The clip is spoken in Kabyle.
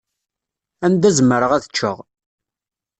Anda zemreɣ ad ččeɣ.